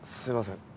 すいません。